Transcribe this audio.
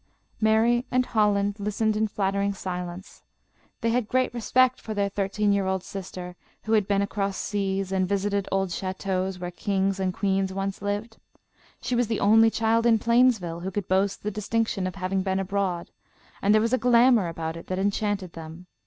Mary and Holland listened in flattering silence. They had great respect for their thirteen year old sister, who had been across seas and visited old chateaux where kings and queens once lived. She was the only child in Plainsville who could boast the distinction of having been abroad, and there was a glamour about it that enchanted them.